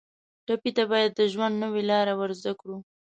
ټپي ته باید د ژوند نوې لاره ورکړو.